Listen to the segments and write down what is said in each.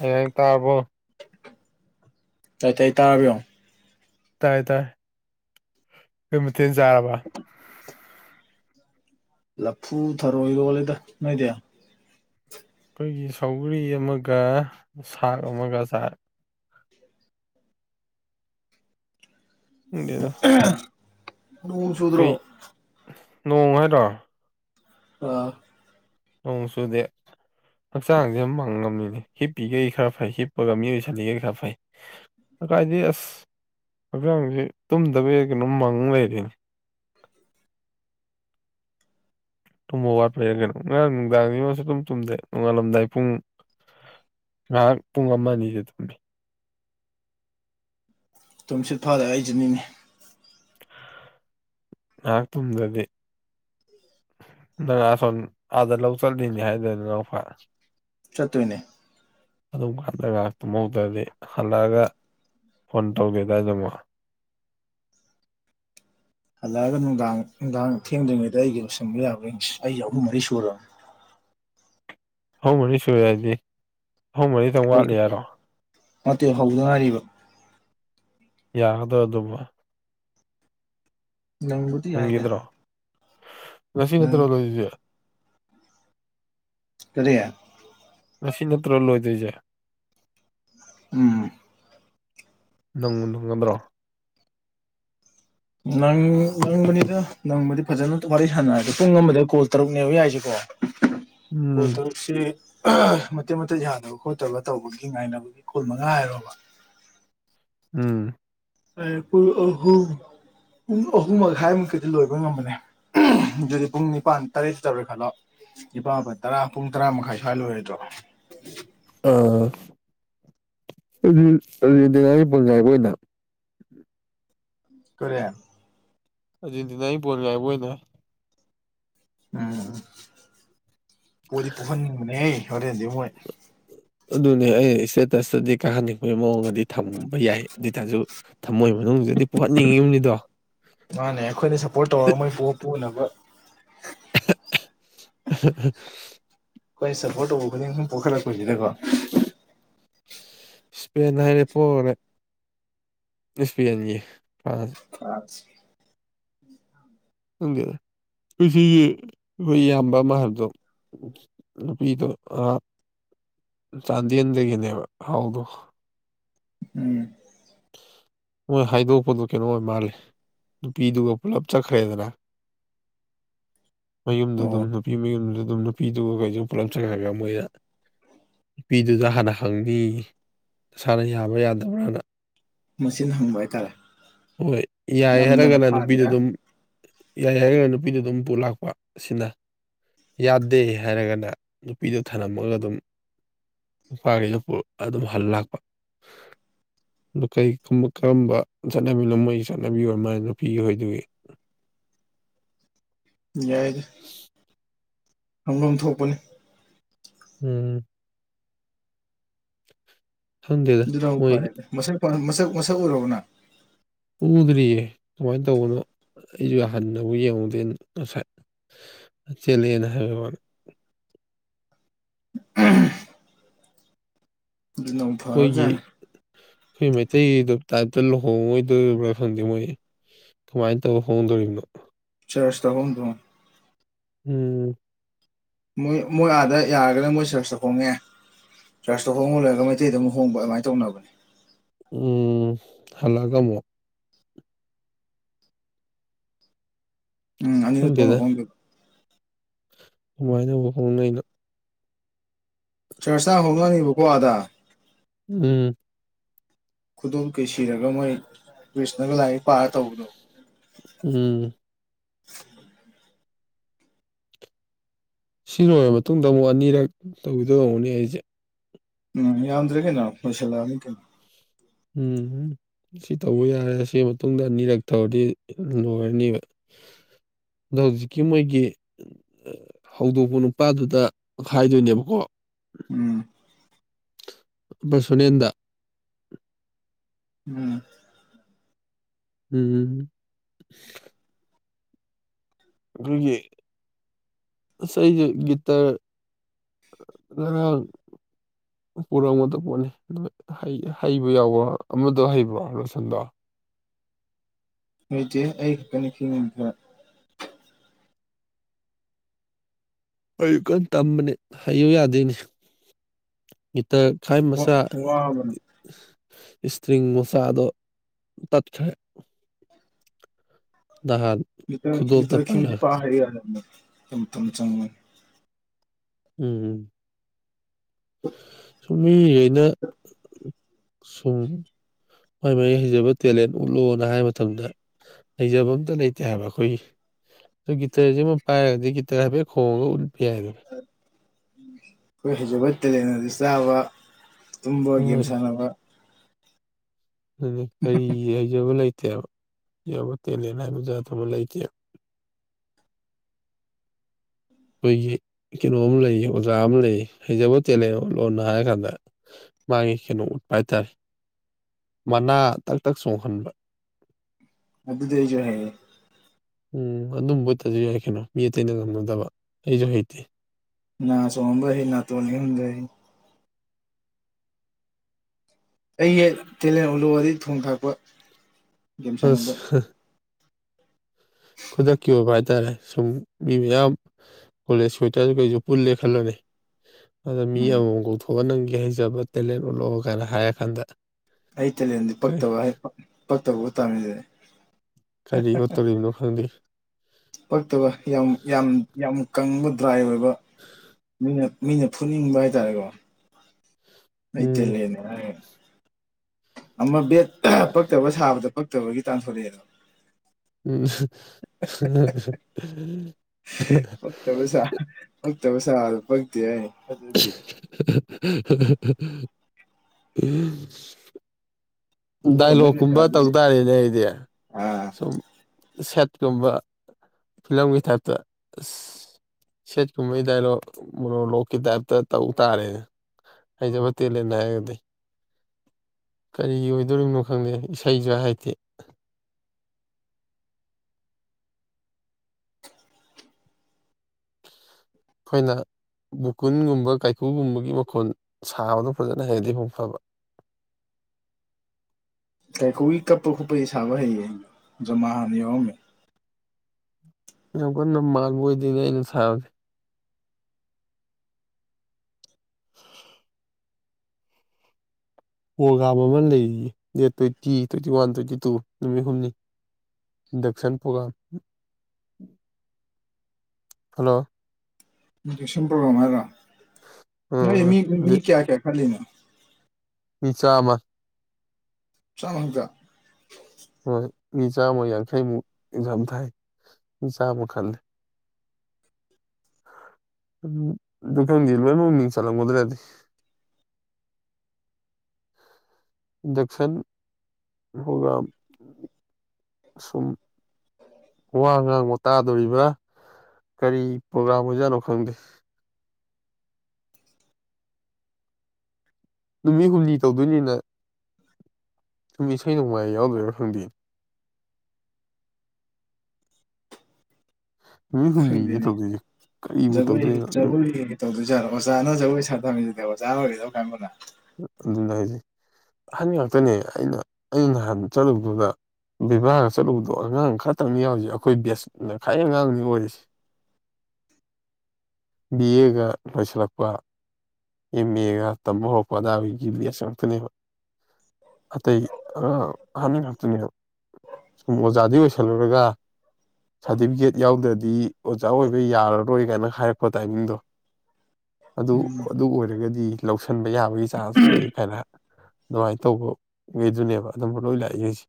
ꯑꯩ ꯉꯥꯡꯉꯤ ꯇꯥꯕꯔꯣ ꯇꯥꯏ ꯇꯥꯏ ꯇꯥꯔꯕ ꯌꯦꯡꯉꯣ ꯇꯥꯏ ꯇꯥꯏ ꯀꯩ ꯃꯊꯦꯟ ꯆꯥꯔꯕ ꯂꯐꯨ ꯊꯔꯣꯏꯔꯣꯂꯦꯗ ꯅꯣꯏꯗꯦ ꯑꯩꯈꯣꯏꯒꯤ ꯁꯧꯒꯔꯤ ꯑꯃꯒ ꯁꯥꯛ ꯑꯃꯒ ꯆ ꯈꯪꯗꯦꯗ ꯅꯣꯡꯅ ꯑꯩꯈꯣꯏ ꯁꯨꯗ꯭ꯔꯣ ꯅꯣꯡ ꯍꯥꯏꯔꯣ ꯑꯣ ꯅꯣꯡ ꯁꯨꯗꯦ ꯍꯛꯆꯥꯡꯁꯦ ꯌꯥꯝ ꯃꯪꯉꯝꯃꯤꯅ ꯍꯤꯞꯄꯤꯈꯩ ꯈꯔ ꯐꯩ ꯍꯤꯞꯄꯒ ꯃꯤꯏꯁꯂꯤꯈꯩ ꯈꯔ ꯐꯩ꯫ ꯀꯥꯏꯗꯤ ꯑꯁ ꯍꯛꯆꯥꯡꯁꯦ ꯇꯨꯝꯗꯕ ꯀꯩꯅꯣꯝ ꯃꯪ ꯂꯩꯔꯤꯅꯤ ꯇꯨꯝꯕ ꯋꯥꯠꯄꯩꯔ ꯀꯩꯅꯣ ꯉꯔꯥꯡ ꯅꯨꯡꯗꯥꯡ ꯉꯣꯟꯁꯨ ꯑꯗꯨꯝ ꯇꯨꯝꯗ꯭ꯔꯦ ꯅꯣꯡꯉꯥꯜꯂꯝꯗꯥꯏ ꯄꯨꯡ ꯉꯥꯏꯍꯥꯛ ꯄꯨꯡ ꯑꯃ ꯑꯅꯤꯁ ꯇꯨꯝꯃꯦ ꯇꯨꯝꯁꯤꯠ ꯐꯥꯔ ꯑꯩꯁꯤꯅꯤꯅꯦ ꯉꯥꯏꯍꯥꯛꯇꯨꯝꯗꯗꯤ ꯅꯪꯁꯣꯝ ꯑꯥꯗ ꯂꯧ ꯆꯠꯂꯤꯅꯦ ꯍꯥꯏꯗꯅ ꯐ ꯆꯠꯇꯨꯅꯦ ꯑꯗꯨꯝ ꯉꯥꯛꯇ ꯉꯥꯏꯍ ꯇꯨꯝꯍꯧꯗ꯭ꯔꯗꯤ ꯍꯜꯂꯛꯑꯒ ꯐꯣꯟ ꯇꯧꯒꯦꯗꯖꯃꯣ ꯍꯜꯂꯛꯑꯒ ꯅꯨꯡꯗꯥꯡ ꯅꯨꯡꯗꯥꯡ ꯊꯦꯡꯗ꯭ꯔꯤꯉꯩꯗ ꯑꯩꯒꯤ ꯂꯣꯏꯁꯤꯟꯕ ꯌꯥꯕ ꯑꯩ ꯑꯍꯨꯝ ꯃꯔꯤ ꯁꯨꯔꯕꯅꯤ ꯑꯍꯨꯝ ꯃꯔꯤ ꯁꯨꯨꯔꯦ ꯍꯥꯏꯗꯤ ꯑꯍꯨꯝ ꯃꯔꯤꯗꯪ ꯋꯥꯠꯂꯤ ꯌꯥꯔꯣ ꯃꯇꯦꯛ ꯍꯧꯗ ꯉꯥꯏꯔꯤꯕ ꯌꯥꯒꯗꯔꯥ ꯑꯗꯨꯕꯣ ꯅꯪꯕꯨꯗꯤ ꯌꯥꯏꯗꯦ ꯅꯪꯒꯤꯗ꯭ꯔꯣ ꯉꯁꯤ ꯅꯠꯇꯔꯣ ꯂꯣꯏꯗꯨꯏꯁꯦ ꯀꯔꯤ ꯉꯁꯤ ꯅꯠꯇ꯭ꯔ ꯂꯣꯏꯗꯣꯏꯁꯦ ꯎꯝ ꯅꯪ ꯅꯨꯡꯉꯗ꯭ꯔꯣ ꯅꯪ ꯅꯪꯕꯅꯤꯗ ꯅꯪꯕꯗꯤ ꯐꯖꯅ ꯋꯥꯔꯤ ꯁꯥꯟꯅꯗ ꯄꯨꯡ ꯑꯃꯗ ꯀꯣꯜ ꯇꯔꯨꯛꯅꯦꯕ ꯌꯥꯏꯁꯤꯀꯣ ꯎꯝ ꯍꯠꯇ ꯁꯤ ꯃꯇꯦꯛ ꯃꯇꯦꯛ ꯌꯥꯗꯕ ꯈꯣꯠꯇꯕ ꯇꯧꯕꯒꯤ ꯉꯥꯏꯅꯕꯒꯤ ꯈꯨꯣꯜ ꯃꯉꯥ ꯍꯥꯏꯔꯣꯕ ꯎꯝ ꯑꯍꯨꯝ ꯄꯨꯡ ꯑꯍꯨꯝ ꯃꯈꯥꯏꯃꯨꯛꯇꯩꯗꯤ ꯂꯣꯏꯕ ꯉꯝꯕꯅꯦ ꯑꯗꯨꯗꯤ ꯄꯨꯡ ꯅꯤꯄꯥꯟ ꯇꯔꯦꯠ ꯆꯧꯔꯦ ꯈꯜꯂꯣ ꯄꯥ ꯃꯄꯜ ꯇꯔꯥ ꯄꯨꯡ ꯇꯔꯥ ꯃꯈꯥꯏ ꯁ꯭ꯋꯥꯏ ꯂꯣꯏꯔꯦꯗ꯭ꯔꯣ ꯑꯥꯉꯥꯒꯤ ꯄꯪꯈꯥꯏꯕ ꯑꯣꯏꯅ꯫ ꯀꯦ꯫ ꯑꯔꯖꯦꯟꯇꯤꯅꯥꯒꯤ ꯄꯣꯟ ꯉꯥꯏꯕ ꯑꯣꯏꯅ꯫ ꯎꯝ ꯎ ꯄꯣꯏꯗꯤ ꯄꯣꯛꯍꯟꯅꯤꯡꯕꯅꯦ ꯍꯣꯔꯦꯟꯗꯤ ꯍꯣꯏ꯫ ꯑꯗꯨꯅꯦ ꯑꯩ ꯏꯁꯇꯦꯇꯁꯇꯗꯤ ꯀꯥꯍꯟꯅꯤꯡꯕꯒꯤ ꯃꯑꯣꯡꯗꯗꯤ ꯊꯝꯕ ꯌꯥꯏ ꯑꯗꯨꯇꯥꯁꯨ꯫ ꯊꯝꯃꯣꯏ ꯃꯅꯨꯡꯗꯨꯗꯤ ꯄꯨꯍꯟꯅꯤꯡꯉꯤꯕꯅꯤꯗꯣ ꯃꯥꯅꯦ ꯑꯩꯈꯣꯏꯅ ꯁꯞꯄꯣꯔꯠ ꯇꯧꯔꯒ ꯃꯣꯏ ꯄꯣ ꯄꯨꯅꯕ ꯑ [unintelligible] ꯑꯩꯈꯣꯏ ꯁꯞꯄꯣꯔꯠ ꯇꯧꯕ ꯈꯨꯗꯤꯡ ꯁꯨꯝ ꯄꯣꯛꯈꯠꯂꯛꯄꯁꯤꯗꯀꯣ ꯏꯁꯄꯦꯟ ꯍꯥꯏꯔꯦ ꯄꯣꯛꯔꯦ ꯏꯁꯄꯦꯟꯒꯤ ꯐ꯭ꯔꯥꯟꯁ ꯊ ꯈꯪꯗꯦ ꯑꯩꯊꯒꯤ ꯑꯩꯈꯣꯏ ꯏꯌꯥꯝꯕ ꯃꯍꯔꯗꯣ ꯅꯨꯄꯤꯗꯣ ꯆꯥꯟꯗꯦꯜꯗꯒꯤꯅꯦꯕ ꯍꯥꯎꯗꯣ ꯎꯝ ꯃꯣꯏ ꯍꯥꯏꯗꯣꯛꯄꯗꯨ ꯀꯩꯅꯣ ꯑꯣꯏ ꯃꯥꯜꯂꯤ ꯅꯨꯄꯤꯗꯨꯒ ꯄꯨꯜꯂꯞ ꯆꯠꯈ꯭ꯔꯦꯗꯅ ꯃꯌꯨꯝꯗ ꯑꯣ ꯑꯗꯨꯝ ꯅꯨꯄꯤ ꯃꯌꯨꯝꯗ ꯑꯗꯨꯝ ꯅꯨꯄꯤꯗꯨꯒ ꯀꯩꯗꯨ ꯄꯨꯂꯞ ꯆꯪꯉꯑꯒ ꯃꯣꯏꯗ ꯅꯨꯄꯤꯗꯨꯗ ꯍꯥꯟꯅ ꯍꯪꯉ ꯅꯁꯥꯅ ꯌꯥꯕ꯭ꯔꯥ ꯌꯥꯗꯕ꯭ꯔꯅ ꯃꯁꯤꯅ ꯍꯪꯕ ꯍꯥꯏꯇꯥꯔꯦ ꯍꯣꯏ ꯌꯥꯏ ꯅꯝꯗꯅ ꯍꯥꯏꯔꯒꯅ ꯅꯨꯄꯤꯗ ꯐꯥꯔꯤꯔ ꯑꯗꯨꯝ ꯌꯥꯏ ꯍꯥꯏꯔꯒꯅ ꯅꯨꯄꯤꯗ ꯑꯗꯨꯝ ꯄꯨ ꯂꯥꯛꯄ ꯑꯁꯤꯅ꯫ ꯌꯥꯗꯦ ꯍꯥꯏꯔꯒꯅ ꯅꯨꯄꯤꯗꯣ ꯊꯝꯂꯝꯝꯃꯒ ꯑꯗꯨꯝ꯫ ꯅꯨꯄꯥꯈꯩꯗꯨ ꯑꯗꯨꯝ ꯍꯜ ꯂꯥꯛꯄ꯫ ꯀꯩꯒꯕ ꯀꯔꯝꯕ ꯆꯠꯅꯕꯤꯅꯣ ꯃꯣꯏꯒꯤ ꯆꯠꯅꯕꯤ ꯑꯣꯏ ꯃꯥꯅ ꯅꯨꯄꯤꯒꯤ ꯍꯣꯏꯗꯨꯒꯤ꯫ ꯌꯥꯏ ꯑꯗꯨ ꯈꯪꯐꯝꯝ ꯊꯣꯛꯄꯅꯤ ꯎꯝ ꯈꯪꯗꯦꯗ ꯑꯗꯨꯗ ꯑꯃꯨ ꯃꯣꯏ ꯐꯔꯦ ꯃꯁꯛ ꯃꯁꯛ ꯃꯁꯛ ꯎꯔꯔꯕꯅ ꯎꯗ꯭ꯔꯤꯌꯦ ꯀꯨꯃꯥꯏꯅ ꯇꯧꯕꯅꯣ ꯑꯩꯁꯨ ꯍꯟꯅꯕꯨ ꯌꯦꯡꯉꯨꯗꯦ ꯉꯁꯥꯏ ꯆꯦꯂꯑꯦꯅ ꯍꯥꯏꯕ ꯃꯥꯅꯦ ꯑ ꯑꯩꯈꯣꯏꯒꯤ ꯑꯩꯈꯣꯏ ꯃꯩꯇꯩꯗ ꯇꯥꯏꯞꯇ ꯂꯨꯍꯣꯡꯉꯣꯏꯗ ꯐꯪꯗꯦ ꯃꯣꯏ ꯀꯃꯥꯏꯅ ꯇꯧꯕ ꯐꯣꯡꯗꯣꯔꯤꯕꯅꯣ ꯆꯁꯇ ꯍꯣꯗꯣ ꯎꯝ ꯃꯣꯏ ꯃꯣꯏ ꯑꯥꯗ ꯌꯥꯔꯒꯅ ꯃꯣꯏ ꯁꯔꯁ ꯆ ꯈꯣꯡꯉꯦ ꯀ꯭ꯂꯥꯁꯇ ꯍꯣꯡꯍꯜꯂꯒꯩꯇꯩꯗ ꯑꯃꯨꯛ ꯍꯣꯡꯕ ꯑꯗꯨꯃꯥꯏꯅ ꯇꯧꯅꯕꯅꯦ ꯎ ꯍꯜꯂꯒ ꯑꯃꯛ ꯎꯝ ꯑꯅꯤꯉꯣ ꯍ ꯈꯪꯗꯦꯗ ꯀꯃꯥꯏꯅꯧꯕ ꯍꯣꯡꯅ ꯑꯩꯅ ꯆꯔꯆꯥꯥ ꯍꯣꯡꯅꯪꯉꯤꯕꯀꯣ ꯑꯗ ꯎꯝ ꯈꯨꯗꯣꯜ ꯀꯩ ꯁꯤꯔꯒ ꯃꯣꯏ ꯀ꯭ꯔꯤꯁꯅꯒ ꯂꯥꯏꯔꯤꯛ ꯄꯥꯔ ꯇꯧꯕꯗꯣ ꯎꯝ ꯁꯤ ꯂꯣꯏꯔꯕ ꯃꯇꯨꯡꯗ ꯑꯃꯨꯛ ꯑꯅꯤꯔꯛ ꯇꯧꯕꯤꯗꯧꯔꯝꯅꯦ ꯑꯩꯁꯦ ꯎꯝ ꯌꯥꯝꯗ꯭ꯔꯦ ꯀꯩꯅꯣ ꯄꯣꯏꯁꯜꯂꯛꯑꯅꯤ ꯀꯩꯅꯣ ꯎꯝꯝ ꯁꯤ ꯇꯧꯕ ꯌꯥꯔꯦ ꯁꯤ ꯃꯇꯨꯡꯗ ꯑꯅꯤꯔꯛ ꯊꯔꯗꯤ ꯂꯣꯏꯔꯅꯤꯕ ꯑꯗ ꯍꯧꯖꯤꯛꯀꯤ ꯃꯣꯏꯒꯤ ꯍꯧꯗꯣꯛꯄ ꯅꯨꯄꯥꯗꯨꯗ ꯄꯥꯏꯗꯣꯏꯅꯦꯕꯀꯣ ꯎꯝ ꯁꯅꯦꯟꯗ ꯎꯝ ꯎꯝ ꯑꯩꯈꯣꯏꯒꯤ ꯉꯥꯏꯁꯨ ꯒꯤꯇꯔ ꯑ ꯄꯨꯔꯛꯒꯗ ꯄꯣꯠꯅꯤ ꯍꯩꯕ ꯌꯥꯎꯕ꯭ꯔ ꯑꯃꯗ ꯍꯩꯕ꯭ꯔꯣ ꯔꯣꯁꯟꯗꯣ ꯅꯣꯏꯆꯦ ꯑꯩ ꯈꯛꯇꯅꯤ ꯐꯤ ꯉꯝ ꯈ꯭ꯔ ꯑꯩ ꯀꯟꯅ ꯇꯝꯕꯅꯤ ꯍꯥꯏꯌꯨ ꯌꯥꯗꯣꯏꯅꯤ ꯃꯤꯇ ꯈꯥꯏ ꯃꯆꯥ ꯋꯥꯕꯅ ꯏꯁꯇ꯭ꯔꯤꯡ ꯃꯁꯥꯗꯣ ꯇꯠ ꯗꯍꯥꯟ ꯏꯇ ꯏꯇꯈꯈꯤꯁꯤ ꯄꯍꯔꯤ ꯍꯥꯏꯨꯝ ꯇꯨꯝ ꯆꯪꯅ ꯎꯝ ꯎꯝ ꯁꯨꯝꯃꯤ ꯑꯩꯅ ꯁꯨꯝ ꯃꯥꯏ ꯃꯥꯥꯏꯒꯤ ꯍꯩꯖꯕ ꯇꯦꯂꯦꯟ ꯎꯠꯂꯣꯅ ꯍꯥꯏꯕ ꯃꯇꯝꯗ ꯍꯩꯖꯕ ꯑꯝꯇ ꯂꯩꯇꯦ ꯍꯥꯏꯕ ꯑꯩꯈꯣꯏꯒꯤ ꯑꯣ ꯒꯤꯇꯔꯁꯤꯃ ꯄꯥꯏꯔꯒꯗꯤ ꯒꯤꯇꯔ ꯍꯥꯏꯐꯦꯠ ꯈꯣꯡꯉꯒ ꯎꯠꯄ ꯌꯥꯏꯕ ꯀꯩꯁꯁꯨꯕꯠꯇ ꯂꯩꯅꯗꯤ ꯆꯕ ꯇꯨꯝꯕ ꯒꯦꯝ ꯍꯣꯏ ꯁꯥꯟꯅꯕ ꯑꯗꯨ ꯀꯔꯤ ꯍꯥꯏꯖꯕ ꯂꯩꯇꯦꯕ ꯌꯥꯎꯕ ꯇꯦꯂꯦꯟ ꯍꯥꯏꯕꯖꯥꯠ ꯊꯕ ꯂꯩꯇꯦꯕ ꯑꯩꯈꯣꯏꯒꯤ ꯀꯩꯅꯣꯝ ꯂꯩ ꯑꯣꯖꯥ ꯑꯃ ꯂꯩ ꯍꯩꯖꯕ ꯇꯦꯂꯦꯟ ꯂꯣꯟꯅ ꯍꯥꯏꯔ ꯀꯥꯟꯗ ꯃꯥꯒꯤ ꯀꯩꯅꯣ ꯎꯠꯄ ꯍꯥꯏꯇꯥꯔꯦ ꯃꯅꯥ ꯇꯛ ꯇꯛ ꯆꯣꯡꯍꯟꯕ ꯑꯗꯨ ꯑꯗꯨꯗꯤꯗꯁꯨ ꯍꯥꯏꯌꯦ ꯎꯝ ꯑꯗꯨꯝꯕꯠꯇꯁꯨ ꯌꯥꯏ ꯀꯩꯅꯣ ꯃꯤ ꯑꯇꯩꯅ ꯉꯝꯅꯗꯕ ꯑꯩꯁꯨ ꯍꯩꯇꯦ ꯅ ꯁꯣꯡꯕꯁꯤ ꯅ ꯇꯣꯅꯤ ꯍꯗꯁꯤ ꯑꯩ ꯍ ꯇꯦꯂꯦꯟ ꯎꯠꯂꯛ ꯑꯗꯤ ꯊꯣꯡ ꯊꯥꯛꯄ ꯒꯦꯝ ꯁꯥꯟꯅꯕ ꯍꯁ ꯈꯨꯗꯛꯀꯤ ꯑꯣꯏꯕ ꯍꯥꯏꯇꯥꯔꯦ ꯁꯨꯝ ꯃꯤ ꯃꯌꯥꯝ ꯀꯣꯂꯦꯖ ꯁ꯭ꯋꯦꯇꯔ ꯀꯩ ꯄꯨꯜꯦ ꯈꯜꯂꯨꯔꯦ ꯑꯗ ꯃꯤ ꯎꯝ ꯑꯃꯃꯝ ꯀꯧꯊꯣꯛꯑ ꯅꯪꯒꯤ ꯍꯩꯖꯕ ꯇꯦꯂꯦꯟ ꯑꯣꯠꯂꯛꯑ ꯀꯥꯏꯅ ꯍꯥꯏꯔꯀꯥꯟꯗ ꯑꯩ ꯇꯦꯂꯦꯟꯗꯨ ꯀꯔꯤ ꯄꯛꯇꯕ ꯄꯛꯇꯕꯕꯨ ꯇꯥꯃꯤꯗꯦ ꯀꯔꯤ ꯑꯣꯠꯇꯣꯔꯤꯕꯅꯣ ꯈꯪꯗꯦ ꯄꯛꯇꯕ ꯌꯥꯝ ꯌꯥꯝ ꯌꯥꯝ ꯀꯪꯕ ꯗ꯭ꯔꯥꯏ ꯑꯣꯏꯕ ꯃꯤꯅ ꯃꯤꯅ ꯐꯨꯠꯅꯤꯡꯕ ꯍꯥꯏꯇꯥꯔꯦꯀꯣ ꯑꯇ ꯎꯝ ꯂꯩꯅꯦ ꯑꯃ ꯕꯦꯠ ꯄꯛꯇꯕ ꯁꯥꯕꯗ ꯄꯛꯇꯕꯒꯤ ꯇꯥꯟꯊꯣꯔꯛꯑꯦꯗꯣ ꯎꯝ ꯄꯩꯁꯥ ꯄꯛꯇꯕꯩꯁꯥ ꯑꯗꯨ ꯄꯛꯇꯦ ꯑꯩ ꯑꯗꯨꯗꯤ ꯎꯝ ꯏꯕꯨꯡꯉꯣ ꯅꯪ ꯗꯥꯏꯂꯣꯛꯀꯨꯝꯕ ꯇꯧ ꯁꯥꯗꯣꯏꯁꯦ ꯇꯥꯔꯦꯅꯦ ꯑꯩꯗꯤ ꯑꯥ ꯁꯨꯝ ꯁꯦꯠꯀꯨꯝꯕ ꯐꯤꯂꯝꯒꯤ ꯊꯥꯛꯇ ꯑ ꯁꯦꯠ ꯀꯨꯝꯍꯩꯗꯔꯣ ꯃꯣꯅꯣꯂꯣꯛꯀꯤ ꯇꯥꯏꯞꯇ ꯇꯧ ꯇꯥꯔꯦꯅꯦ ꯍꯥꯏꯗꯕꯥ ꯇꯦꯜꯂꯅ ꯍꯥꯏꯔꯒꯗꯤ ꯀꯔꯤꯒꯤ ꯑꯗꯨꯣꯔꯤꯅꯣ ꯈꯪꯗꯦ ꯏꯁꯩꯁꯨ ꯍꯥꯏꯗꯤ ꯑꯩꯈꯣꯏꯅ ꯒꯣꯀꯨꯟꯒꯨꯝꯕ ꯀꯩꯀꯨꯒꯨꯝꯕꯒꯤ ꯃꯈꯣꯜ ꯁꯥꯕꯗꯣ ꯐꯖꯅ ꯍꯩꯔꯗꯤ ꯑꯃꯨꯛ ꯐꯕ ꯀꯩꯀꯨꯒꯤ ꯀꯞꯄ ꯈꯨꯞꯄꯩ ꯁꯥꯕ ꯍꯩꯌꯦ ꯑꯩꯅꯣ ꯖꯃꯥ ꯍꯥꯟꯅ ꯌꯥꯎꯔꯝꯃꯦ ꯌꯥꯝ ꯀꯟꯅ ꯃꯥꯡꯕ ꯑꯣꯏꯗꯤꯅ ꯑꯩꯅ ꯁꯥꯕꯁꯦ [inaudible] ꯄ꯭ꯔꯣꯒꯥꯝ ꯑꯃ ꯂꯩꯌꯦꯌꯦ date twenty twenty one twenty two ꯅꯨꯃꯤꯠ ꯍꯨꯝꯅꯤ ꯗꯛꯁꯤꯟ ꯄꯔꯣꯒꯔꯝ ꯍꯜꯂꯣ ꯏꯟꯖꯦꯛꯁꯟ ꯄ꯭ꯔꯣꯒ꯭ꯔꯝ ꯍꯥꯏꯔ ꯅꯣꯏ ꯑꯥ ꯃꯤ ꯃꯤ ꯑꯗꯨ ꯀꯌꯥ ꯀꯌꯥ ꯈꯜꯂꯤꯅꯣ? ꯃꯤ ꯆꯥꯃꯥ ꯆꯃ ꯈꯛꯇ ꯍꯣꯏ ꯃꯤ ꯆꯥꯝꯃ ꯌꯥꯡꯈꯩꯃꯨꯛ ꯑꯦꯛꯖꯥꯝ ꯊꯥꯏ ꯃꯤ ꯆꯥꯝꯃ ꯈꯜꯂꯦ ꯑꯗꯨ ꯈꯪꯒꯤ ꯂꯣꯏꯅꯃꯛ ꯃꯤꯡꯁꯜꯂꯝꯒꯗ꯭ꯔꯗꯤ ꯏꯟꯗꯛꯁꯟ ꯍ꯭ꯔꯣꯒꯥ꯭ꯔꯝ ꯁꯨꯝ ꯋꯥ ꯉꯥꯡꯕ ꯇꯥꯗꯣꯔꯤꯕ ꯀꯔꯤ ꯄ꯭ꯔꯣꯒꯥ꯭ꯔꯥꯝ ꯑꯣꯏꯖꯥꯠꯅꯣ ꯈꯪꯗꯦ ꯅꯨꯃꯤꯠ ꯍꯨꯝꯅꯤ ꯇꯧꯗꯣꯏꯅꯤꯅ ꯏꯁꯩ ꯅꯣꯡꯃꯥꯏ ꯌꯥꯎꯗꯣꯏꯔꯥ ꯈꯪꯗꯦ ꯅꯨꯃꯤꯠ ꯍꯨꯝꯅꯤꯅꯦ ꯍꯪꯗꯅꯦ ꯇꯧꯗꯣꯏꯁꯦ ꯀꯔꯤꯕꯨ ꯖꯒꯣꯏ ꯇꯧꯗꯣꯏꯅꯣ ꯑꯗꯨ ꯖꯒꯣꯏ ꯇꯧꯗꯣꯏꯖꯥꯠꯣ ꯑꯣꯖꯥꯅꯖ ꯖꯒꯣꯌ ꯁꯥꯔ ꯊꯝꯃꯤꯁꯤꯗꯤ ꯑꯣꯖꯥ ꯑꯣꯏꯔꯗꯧ ꯀꯔꯝꯕꯅ ꯑꯗꯨꯅ ꯍꯥꯏꯁꯦ ꯑꯍꯟ ꯉꯥꯛꯇꯅꯦ ꯑꯩꯅ ꯑꯩꯅ ꯅꯍꯥꯟ ꯆꯠꯂꯨꯕꯗꯨꯗ ꯕꯦꯕꯥꯔꯒ ꯆꯠꯂꯨꯕꯗꯣ ꯑꯉꯥꯡ ꯈꯇꯪꯅꯤ ꯌꯥꯎꯔꯤꯁ ꯑꯩꯈꯣꯏ ꯕꯦꯁꯅ ꯈ꯭ꯋꯥ ꯑꯉꯥꯡꯅꯤ ꯑꯣꯏꯔꯤꯁꯤ [inaudible] ꯕꯤ ꯑꯦꯒ ꯂꯣꯏꯁꯤꯜꯂꯛꯄ ꯑꯦꯝ ꯑꯦꯒ ꯇꯝꯕ ꯍꯧꯔꯛꯄ [unintelligible] ꯑꯇꯩꯒꯤ ꯑ ꯍꯪ ꯍꯥꯥꯛꯇꯅꯤ ꯁꯨꯝ ꯑꯣꯖꯥꯗꯒꯤ ꯑꯣꯏꯁꯜꯂꯨꯔꯒ ꯁꯥꯔꯇꯤꯐꯤꯀꯦꯠ ꯌꯥꯎꯗ꯭ꯔꯗꯤ ꯑꯣꯖꯥ ꯑꯣꯏꯕ ꯌꯥꯔꯔꯣꯏ ꯀꯥꯏꯅ ꯍꯥꯏꯔꯛꯄ ꯇꯥꯏꯃꯤꯡꯗꯣ ꯑꯗꯨ ꯑꯗꯨ ꯑꯣꯏꯔꯒꯗꯤ ꯂꯧꯁꯟ ꯌꯥꯕꯒꯤ ꯆꯥꯟꯁ ꯂꯩ ꯀꯅ ꯑꯗꯨꯃꯥꯏꯅ ꯇꯧꯕꯈꯩꯗꯨꯅꯦꯕ ꯑꯗꯨꯝꯕ ꯂꯣꯏ ꯂꯥꯛꯏꯈꯩꯁꯦ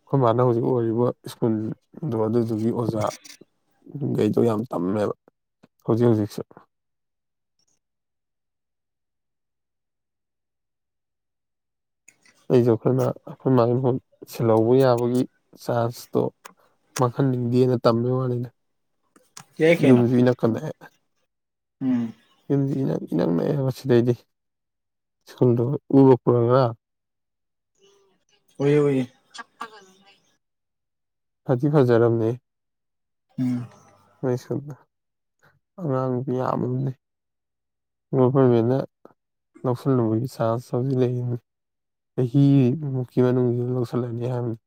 ꯑꯩꯈꯣꯏ ꯃꯥꯅ ꯍꯧꯖꯤꯛ ꯑꯣꯏꯔꯤꯕ ꯁ꯭ꯀꯨꯜꯗꯣ ꯑꯗꯨꯗꯨꯒꯤ ꯑꯣꯖꯥ ꯗꯣ ꯌꯥꯝ ꯇꯝꯃꯦꯕ ꯍꯧꯖꯤꯛ ꯍꯧꯖꯤꯛꯁꯨ ꯑꯩꯁꯨ ꯑꯩꯈꯣꯏꯅ ꯑꯩꯈꯣꯏ ꯃꯥꯒꯤꯣꯟ ꯁꯤꯜꯍꯧꯕ ꯌꯥꯕꯒꯤ ꯆꯥꯔꯖꯇꯣ ꯃꯈꯟ ꯅꯤꯡꯊꯦꯑꯅ ꯇꯝꯃꯦ ꯋꯥꯅꯤꯗ ꯌꯥꯏ ꯀꯩꯅꯣ ꯌꯨꯝꯖꯤꯅ ꯀꯜꯂꯛꯑꯦ ꯎꯝ ꯌꯨꯝꯁꯤ ꯏꯅꯥꯛ ꯏꯅꯥꯛ ꯅꯛ ꯍꯥꯏ ꯁꯤꯗꯩꯗꯤ ꯁ꯭ꯀꯨꯜꯗ ꯎꯔꯛꯄꯔꯥ ꯉꯔꯡ ꯑꯣꯏ ꯍꯏ ꯐꯗꯤ ꯐꯖꯔꯝꯅꯦ ꯎꯝ ꯃꯣꯏ ꯁꯗ ꯑꯉꯥꯡꯗꯤ ꯌꯥꯝꯕ ꯒꯣꯚꯔꯃꯦꯟꯅ ꯂꯧꯁꯤꯜꯂꯨꯕꯒꯤ ꯆꯥꯟꯁ ꯂꯩꯔꯤꯅꯤ ꯆꯍꯤꯃꯨꯛꯀꯤ ꯃꯅꯨꯡꯁꯤ ꯂꯧꯁꯤꯜꯂꯅꯤ ꯍꯥꯏꯕꯅꯤ꯫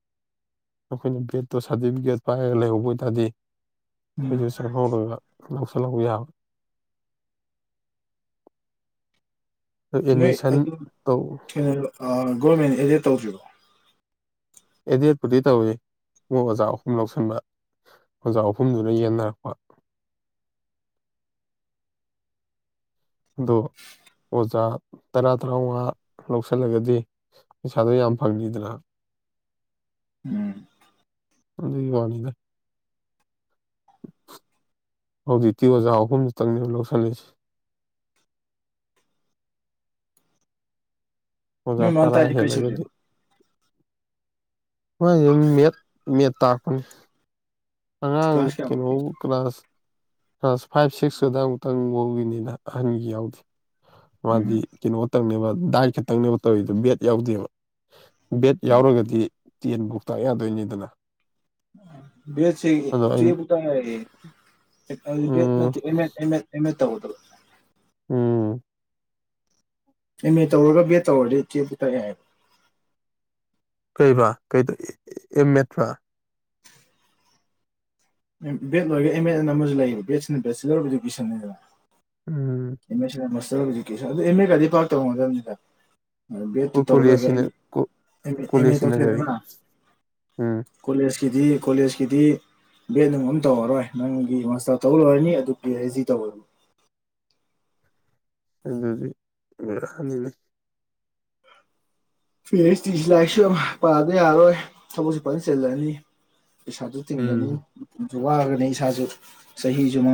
ꯑꯩꯈꯣꯏꯅ ꯕꯦꯠꯇꯣ ꯁꯥꯔꯇꯤꯐꯤꯀꯦꯠ ꯄꯥꯏꯔꯒ ꯂꯩꯍꯧꯕ ꯑꯣꯏꯇꯥꯔꯗꯤ꯫ ꯎꯝ ꯑꯩꯈꯣꯏꯁꯨ ꯁꯛꯍꯧꯔꯒ ꯂꯧꯁꯜꯍꯧꯕ ꯌꯥꯕ ꯑꯗꯣ ꯅꯣꯏ ꯑꯦꯗꯃꯤꯁꯟ ꯑꯗꯨ ꯇꯧ ꯀꯩꯅꯣ ꯒꯣꯔꯃꯦꯟ ꯑꯦꯗꯦꯠ ꯇꯧꯗ꯭ꯔꯤꯔꯤꯕꯣ ꯑꯦꯗꯤꯠꯄꯨꯗꯤ ꯇꯧꯏ ꯃꯣꯏ ꯑꯣꯖꯥ ꯑꯍꯨꯝ ꯂꯧꯁꯤꯟꯕ ꯑꯣꯖꯥ ꯑꯍꯨꯝꯗꯨꯅ ꯌꯦꯟꯅꯔꯛꯄ ꯑꯗꯣ ꯑꯣꯖꯥ ꯇꯔꯥ ꯇꯔꯥꯃꯉꯥ ꯂꯧꯁꯤꯜꯂꯒꯗꯤ ꯄꯩꯁꯥꯗꯣ ꯌꯥꯝ ꯐꯪꯅꯤꯗꯅ ꯎꯝ ꯑꯗꯨꯒꯤ ꯋꯥꯅꯤꯗ ꯍꯧꯖꯤꯛꯇꯤ ꯑꯣꯖꯥ ꯑꯍꯨꯝꯛꯇꯪꯅꯦꯕ ꯂꯧꯁꯜꯂꯛꯁꯦ ꯑꯣꯖꯥ ꯃꯤꯣꯏ ꯃꯥꯟ ꯇꯔꯥ ꯇꯥꯏꯗꯤ ꯀꯩꯁꯨ ꯍꯦꯜꯂꯒꯗꯤ ꯃꯣꯏꯁ ꯃꯦꯠ ꯃꯦꯠ ꯇꯥꯛꯄꯅꯤ ꯑꯉꯥꯡ ꯀ꯭ꯂꯥꯁ ꯀꯩꯅꯣ ꯀꯌꯥꯕꯨꯛꯀꯤ ꯀ꯭ꯂꯥꯁ ꯀ꯭ꯂꯥꯁ ꯐꯥꯏꯚ ꯁꯤꯛꯁꯇꯨꯗ ꯑꯃꯨꯛꯇꯪ ꯉꯧꯒꯤꯅꯤꯅ ꯑꯍꯟꯒꯤ ꯌꯥꯎꯗꯦ ꯃꯥꯗꯤ ꯎꯝ ꯀꯩꯅꯣꯇꯪꯅꯦꯕ ꯗꯥꯏꯠ ꯈꯛꯇꯪꯅꯦꯕ ꯇꯧꯔꯤꯗ ꯕꯦꯠ ꯌꯥꯎꯗꯦꯕ ꯕꯦꯠ ꯑꯣ ꯌꯥꯎꯔꯒꯗꯤ ꯇꯦꯟꯕꯨꯧ ꯇꯥꯛ ꯌꯥꯗꯣꯏꯅꯤꯗꯅ ꯑꯗꯣ ꯑꯩꯅ ꯁꯕꯨꯇꯥꯒ ꯦꯠ ꯎꯝ ꯑꯦꯃꯦ ꯑꯦ ꯇꯧꯗ ꯎꯝ ꯑꯦꯝ ꯑꯦ ꯇꯧꯔꯒ ꯕꯤꯦꯠ ꯇꯧꯔꯗꯤ ꯏ ꯆꯦ ꯄꯨꯊꯛꯦ ꯍꯥꯏꯕ ꯀꯔꯤꯕ꯭ꯔꯥ ꯀ ꯑꯦꯝ ꯃꯦꯠ꯭ꯔꯥ ꯕꯦꯠ ꯂꯣꯏꯔ ꯑꯦꯝ ꯑꯦꯅ ꯑꯃꯁꯨ ꯂꯩꯕ ꯕꯦꯗꯅ ꯦꯆꯤꯂꯔ ꯑꯣꯐ ꯏꯗꯨꯀꯦꯁꯟꯅꯤꯗꯅ ꯎꯝ ꯑꯦꯁꯇꯐꯦꯟ ꯑꯗꯨ ꯑꯦꯝ ꯑꯦ ꯀꯗꯤ ꯄꯥꯛ ꯇꯧ ꯃꯇꯝꯁꯤꯗ ꯦ ꯇ ꯑꯣ ꯇ ꯍꯂꯣ ꯀ ꯀꯣꯂꯦꯖꯁꯤꯅ ꯑꯦ ꯇ ꯀꯣꯂꯦꯖꯁꯤꯅ ꯀꯔꯤ ꯎꯁꯦꯗꯅ ꯎꯝ ꯀꯣꯂꯦꯖꯀꯤꯗꯤ ꯀꯣꯂꯦꯖꯀꯤꯗꯤ ꯕꯦꯠ ꯅꯨꯡ ꯑꯃꯝ ꯇꯧꯔꯔꯣꯏ ꯅꯪꯒꯤ ꯃꯁꯇ ꯇꯧ ꯂꯣꯏꯔꯅꯤ ꯑꯗꯨꯒꯤ ꯔꯦꯖꯤ ꯇꯧꯕ ꯑꯗꯨꯗꯤ ꯍꯅꯤꯅꯦ ꯐꯦꯁ ꯇꯤ ꯂꯥꯏꯁꯨ ꯑꯃ ꯄꯥꯕ ꯌꯥꯔꯔꯣꯏ ꯊꯕꯛꯁꯤ ꯐꯖ ꯆꯜꯂꯅꯤ ꯄꯩꯁꯥꯁꯨ ꯎꯝ ꯇꯤꯡꯒꯅꯤꯁꯨ ꯋꯥꯒꯅꯤ ꯏꯁꯥꯁꯨ ꯆꯍꯤꯁꯨ